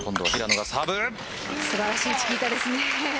素晴らしいチキータですね。